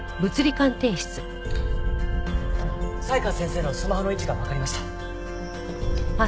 才川先生のスマホの位置がわかりました。